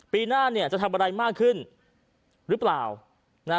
ปีหน้าเนี่ยจะทำอะไรมากขึ้นหรือเปล่านะ